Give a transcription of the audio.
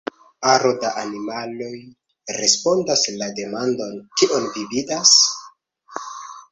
Aro da animaloj respondas la demandon "kion vi vidas?